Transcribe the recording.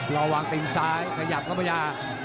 ระวังตีซ้ายขยับก็ไม่ยาก